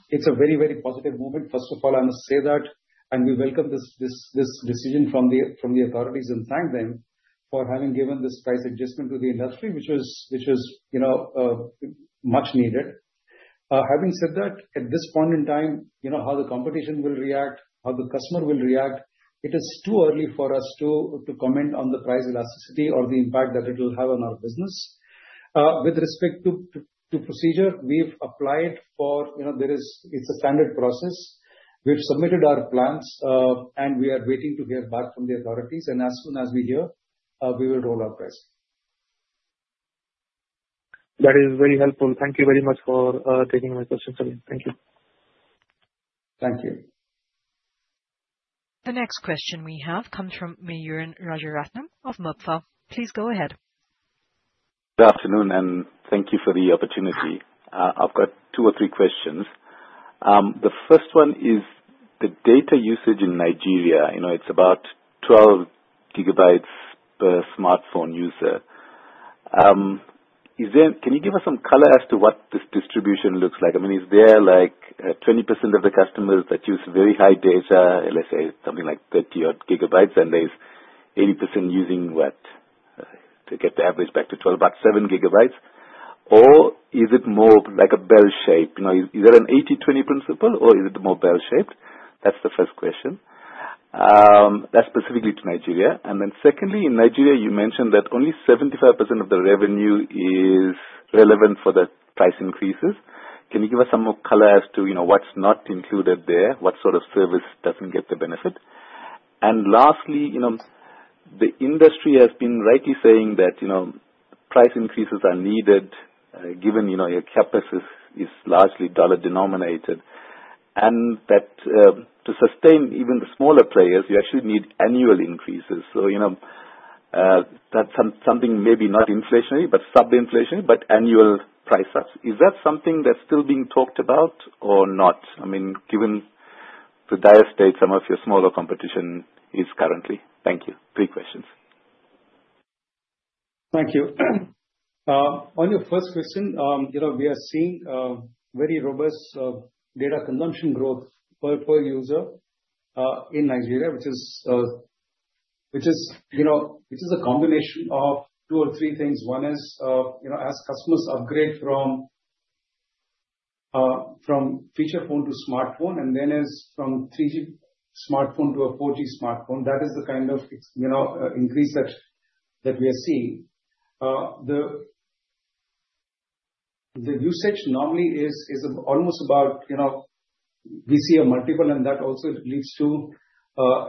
it's a very, very positive movement. First of all, I must say that, and we welcome this decision from the authorities and thank them for having given this price adjustment to the industry, which was much needed. Having said that, at this point in time, how the competition will react, how the customer will react, it is too early for us to comment on the price elasticity or the impact that it will have on our business. With respect to procedure, we've applied for it. It's a standard process. We've submitted our plans, and we are waiting to hear back from the authorities, and as soon as we hear, we will roll our price. That is very helpful. Thank you very much for taking my question, Sam. Thank you. Thank you. The next question we have comes from Mayuran Rajaratnam of Mawer. Please go ahead. Good afternoon, and thank you for the opportunity. I've got two or three questions. The first one is the data usage in Nigeria. It's about 12 gigabytes per smartphone user. Can you give us some color as to what this distribution looks like? I mean, is there 20% of the customers that use very high data, let's say something like 30 gigabytes, and there's 80% using what to get the average back to 12, about seven gigabytes? Or is it more like a bell shape? Is there an 80/20 principle, or is it more bell-shaped? That's the first question. That's specifically to Nigeria. And then secondly, in Nigeria, you mentioned that only 75% of the revenue is relevant for the price increases. Can you give us some more color as to what's not included there, what sort of service doesn't get the benefit? And lastly, the industry has been rightly saying that price increases are needed given your CapEx is largely dollar-denominated, and that to sustain even the smaller players, you actually need annual increases. So that's something maybe not inflationary, but sub-inflationary, but annual price ups. Is that something that's still being talked about or not? I mean, given the dire state some of your smaller competition is currently. Thank you. Three questions. Thank you. On your first question, we are seeing very robust data consumption growth per user in Nigeria, which is a combination of two or three things. One is as customers upgrade from feature phone to smartphone, and then is from 3G smartphone to a 4G smartphone. That is the kind of increase that we are seeing. The usage normally is almost about we see a multiple, and that also leads to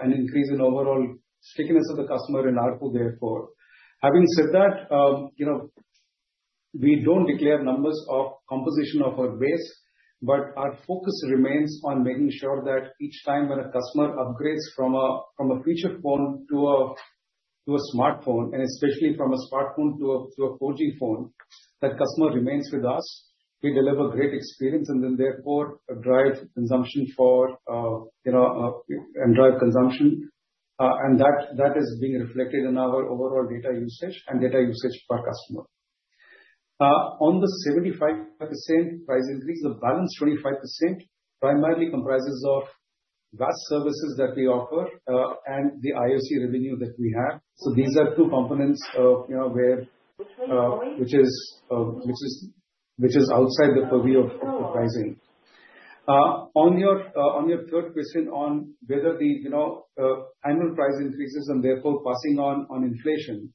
an increase in overall stickiness of the customer and output therefore. Having said that, we don't declare numbers of composition of our base, but our focus remains on making sure that each time when a customer upgrades from a feature phone to a smartphone, and especially from a smartphone to a 4G phone, that customer remains with us. We deliver great experience and then therefore drive consumption. That is being reflected in our overall data usage and data usage per customer. On the 75% price increase, the balance 25% primarily comprises of VAS services that we offer and the IUC revenue that we have. So these are two components which are outside the purview of pricing. On your third question on whether the annual price increases and therefore passing on inflation.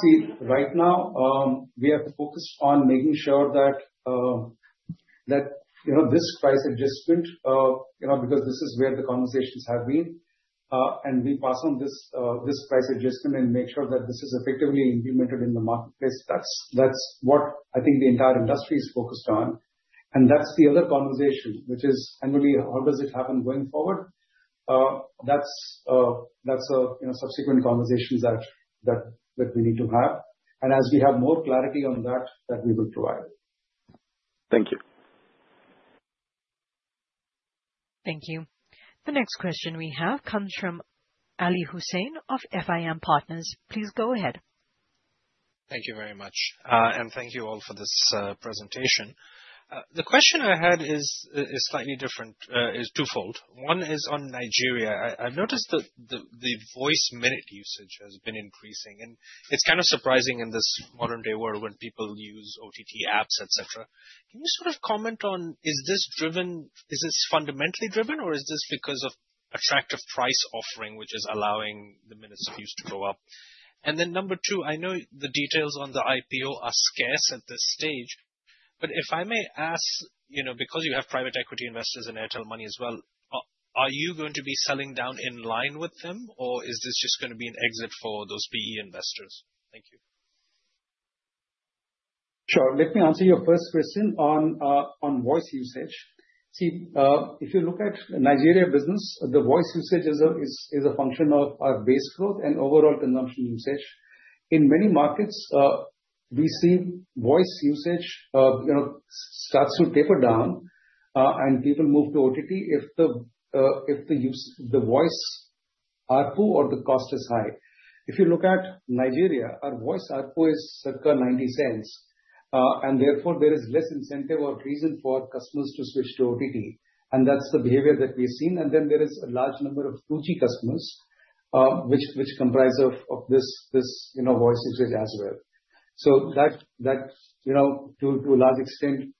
See, right now, we have focused on making sure that this price adjustment, because this is where the conversations have been, and we pass on this price adjustment and make sure that this is effectively implemented in the marketplace. That's what I think the entire industry is focused on. And that's the other conversation, which is annually, how does it happen going forward? That's a subsequent conversation that we need to have. And as we have more clarity on that, that we will provide. Thank you. Thank you. The next question we have comes from Ali Hussain of FIM Partners. Please go ahead. Thank you very much. And thank you all for this presentation. The question I had is slightly different, is twofold. One is on Nigeria. I've noticed that the voice minute usage has been increasing. It's kind of surprising in this modern-day world when people use OTT apps, etc. Can you sort of comment on, is this fundamentally driven, or is this because of attractive price offering, which is allowing the minutes of use to go up? And then number two, I know the details on the IPO are scarce at this stage. But if I may ask, because you have private equity investors in Airtel Money as well, are you going to be selling down in line with them, or is this just going to be an exit for those PE investors? Thank you. Sure. Let me answer your first question on voice usage. See, if you look at Nigeria business, the voice usage is a function of our base growth and overall consumption usage. In many markets, we see voice usage starts to taper down, and people move to OTT if the voice output or the cost is high. If you look at Nigeria, our voice output is circa $0.90. And therefore, there is less incentive or reason for customers to switch to OTT. And that's the behavior that we have seen. And then there is a large number of 2G customers, which comprise of this voice usage as well. So that, to a large extent,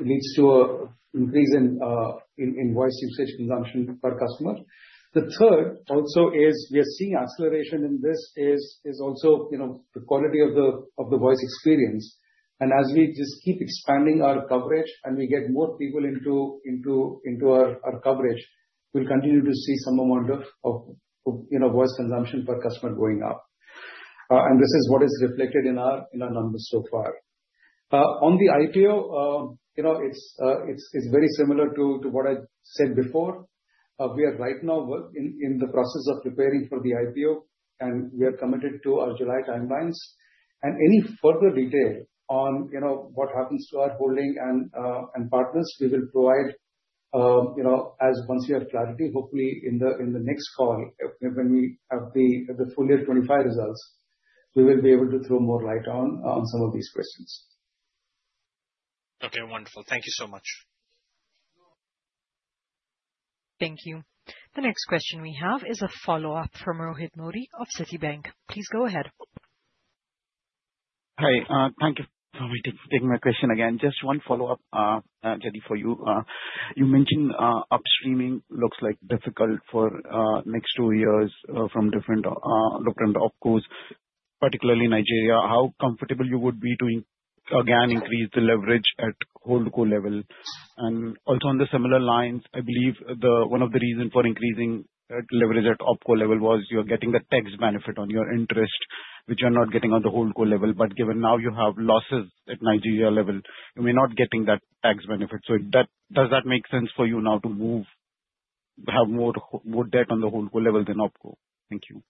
leads to an increase in voice usage consumption per customer. The third also is we are seeing acceleration in this is also the quality of the voice experience. And as we just keep expanding our coverage and we get more people into our coverage, we'll continue to see some amount of voice consumption per customer going up. This is what is reflected in our numbers so far. On the IPO, it's very similar to what I said before. We are right now in the process of preparing for the IPO, and we are committed to our July timelines. Any further detail on what happens to our holding and partners, we will provide once we have clarity, hopefully in the next call when we have the full year 2025 results. We will be able to throw more light on some of these questions. Okay. Wonderful. Thank you so much. Thank you. The next question we have is a follow-up from Rohit Modi of Citibank. Please go ahead. Hi. Thank you for taking my question again. Just one follow-up, Jaideep, for you. You mentioned upstreaming looks like difficult for next two years from different local and OpCos, particularly Nigeria. How comfortable you would be to, again, increase the leverage at HoldCo level? And also on the similar lines, I believe one of the reasons for increasing leverage at OpCo level was you're getting the tax benefit on your interest, which you're not getting on the HoldCo level. But given now you have losses at Nigeria level, you may not be getting that tax benefit. So does that make sense for you now to have more debt on the HoldCo level than OpCo? Thank you.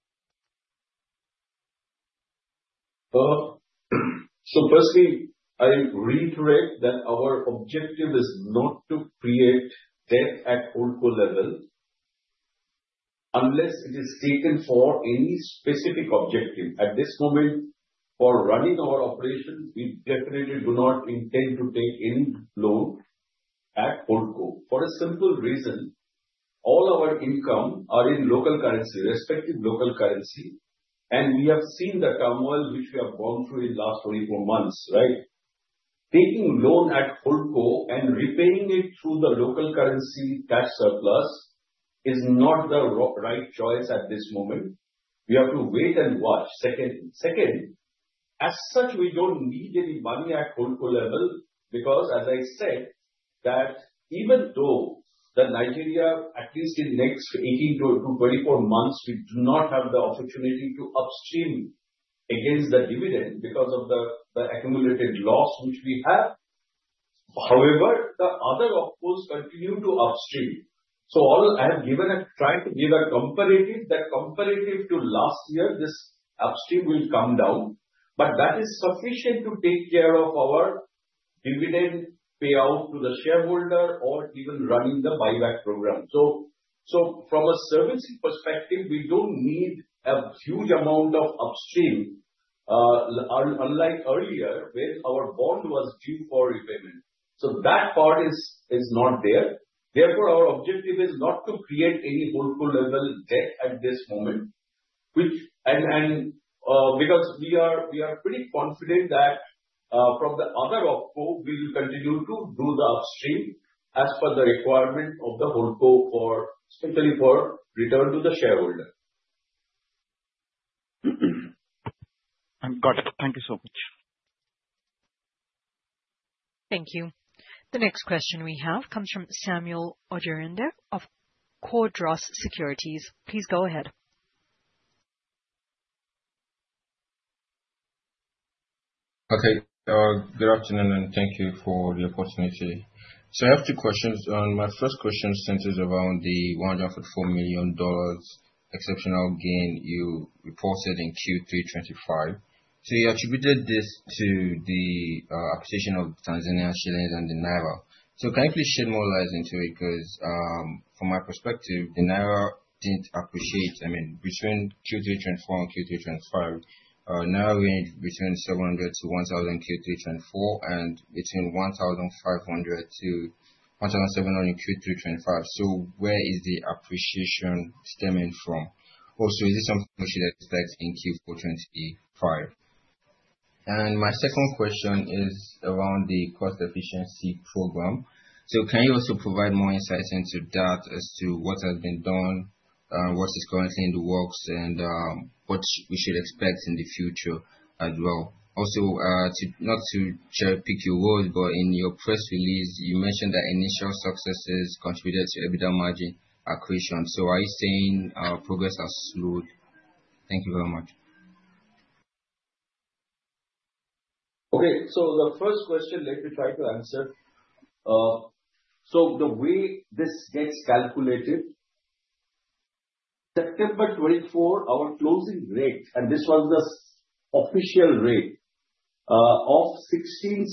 So firstly, I reiterate that our objective is not to create debt at HoldCo level unless it is taken for any specific objective. At this moment, for running our operations, we definitely do not intend to take any loan at HoldCo for a simple reason. All our income are in local currency, respective local currency. We have seen the turmoil which we have gone through in the last 24 months, right? Taking loan at HoldCo and repaying it through the local currency tax surplus is not the right choice at this moment. We have to wait and watch. Second, as such, we don't need any money at HoldCo level because, as I said, that even though Nigeria, at least in the next 18-24 months, we do not have the opportunity to upstream against the dividend because of the accumulated loss which we have. However, the other OpCos continue to upstream. So I have tried to give a comparative. That comparative to last year, this upstream will come down. But that is sufficient to take care of our dividend payout to the shareholder or even running the buyback program. From a servicing perspective, we don't need a huge amount of upstream, unlike earlier when our bond was due for repayment. So that part is not there. Therefore, our objective is not to create any HoldCo level debt at this moment. And because we are pretty confident that from the other OpCo, we will continue to do the upstream as per the requirement of the HoldCo for, especially for return to the shareholder. I've got it. Thank you so much. Thank you. The next question we have comes from Samuel Ojerinde of Cordros Securities. Please go ahead. Okay. Good afternoon, and thank you for the opportunity. So I have two questions. My first question centers around the $1.4 million exceptional gain you reported in Q325. So you attributed this to the appreciation of Tanzania, Shilling, and the Naira. So can you please shed more light into it? Because from my perspective, Naira didn't appreciate, I mean, between Q324 and Q325, Naira ranged between 700-1,000 in Q324 and between 1,500-1,700 in Q325. So where is the appreciation stemming from? Also, is this something we should expect in Q425? And my second question is around the cost efficiency program. So can you also provide more insights into that as to what has been done, what is currently in the works, and what we should expect in the future as well? Also, not to cherry-pick your words, but in your press release, you mentioned that initial successes contributed to EBITDA margin accretion. So are you saying progress is slowed? Thank you very much. Okay. So the first question, let me try to answer. So the way this gets calculated, September 24, our closing rate, and this was the official rate of NGN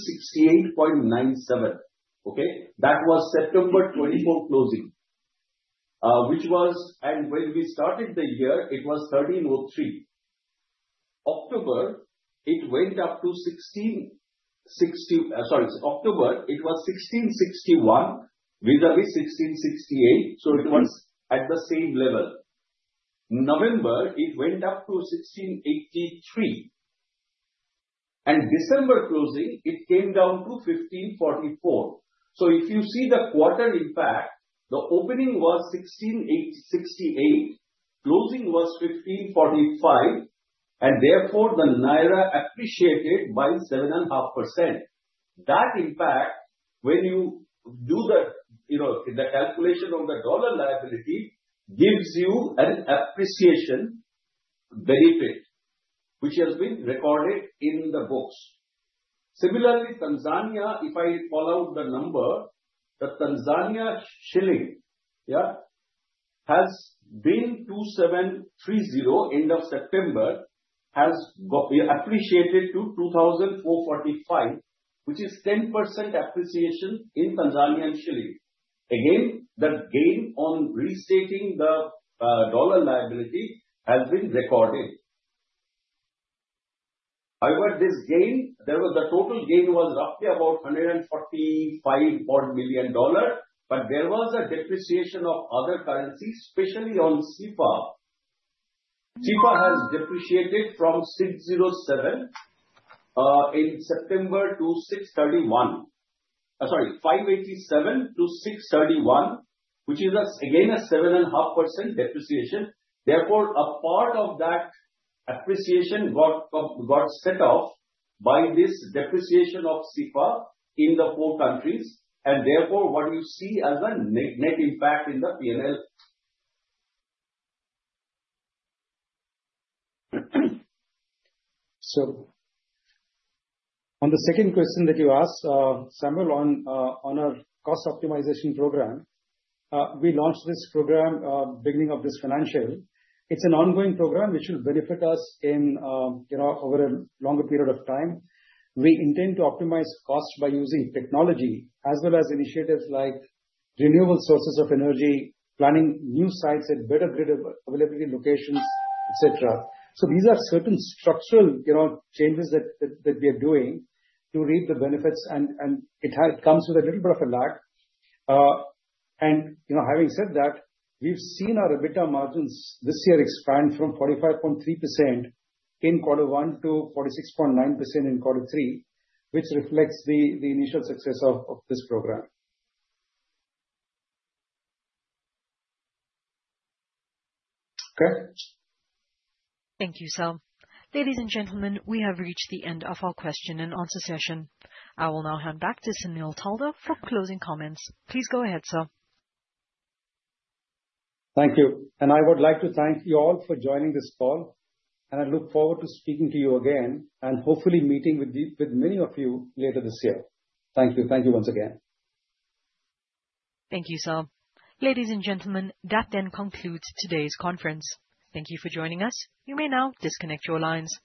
1,668.97. Okay? That was September 24 closing, which was, and when we started the year, it was 1,303. October, it went up to 1,660. Sorry. October, it was 1,661 vis-à-vis 1,668. So it was at the same level. November, it went up to 1,683. And December closing, it came down to 1,544. So if you see the quarter impact, the opening was 1,668. Closing was 1,545. And therefore, the Naira appreciated by 7.5%. That impact, when you do the calculation of the dollar liability, gives you an appreciation benefit, which has been recorded in the books. Similarly, Tanzania, if I call out the number, the Tanzanian shilling, yeah, has been 2,730 end of September, has appreciated to 2,445, which is 10% appreciation in Tanzanian shilling. Again, the gain on restating the dollar liability has been recorded. However, this gain, the total gain was roughly about $145 million. But there was a depreciation of other currencies, especially on CFA. CFA has depreciated from 607 in September to 631. Sorry, 587 to 631, which is again a 7.5% depreciation. Therefore, a part of that appreciation got set off by this depreciation of CFA in the four countries. And therefore, what you see as a net impact in the P&L. So on the second question that you asked, Samuel, on our cost optimization program, we launched this program beginning of this financial. It's an ongoing program which will benefit us over a longer period of time. We intend to optimize costs by using technology as well as initiatives like renewable sources of energy, planning new sites at better grid availability locations, etc. So these are certain structural changes that we are doing to reap the benefits. And it comes with a little bit of a lag. Having said that, we've seen our EBITDA margins this year expand from 45.3% in quarter one to 46.9% in quarter three, which reflects the initial success of this program. Okay. Thank you, sir. Ladies and gentlemen, we have reached the end of our question and answer session. I will now hand back to Sunil Taldar for closing comments. Please go ahead, sir. Thank you. I would like to thank you all for joining this call. I look forward to speaking to you again and hopefully meeting with many of you later this year. Thank you. Thank you once again. Thank you, sir. Ladies and gentlemen, that then concludes today's conference. Thank you for joining us. You may now disconnect your lines.